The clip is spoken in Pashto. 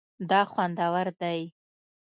دا خوندور دی